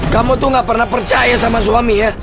kamu tuh gak pernah percaya sama suami ya